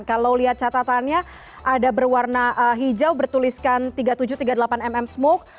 kalau lihat catatannya ada berwarna hijau bertuliskan tiga puluh tujuh tiga puluh delapan mm smoke